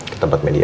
ke tempat mediasi